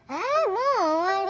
もう終わり。